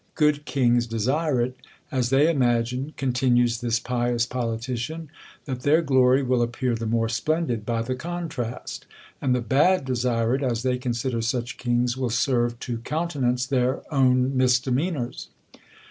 Good kings desire it, as they imagine, continues this pious politician, that their glory will appear the more splendid by the contrast; and the bad desire it, as they consider such kings will serve to countenance their own misdemeanours.